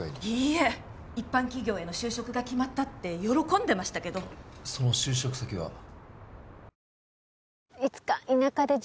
いいえ一般企業への就職が決まったって喜んでましたけどその就職先は？